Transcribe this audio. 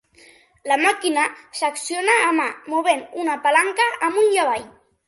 La màquina s'acciona a mà movent una palanca amunt i avall.